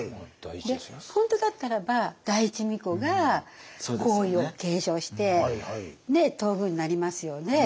本当だったらば第一皇子が皇位を継承して東宮になりますよね。